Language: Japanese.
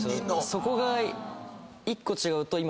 そこが。